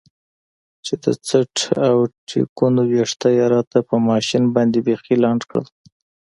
چې د څټ او ټېکونو ويښته يې راته په ماشين باندې بيخي لنډ کړل.